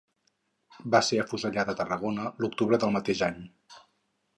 Va ser afusellat a Tarragona l'octubre del mateix any.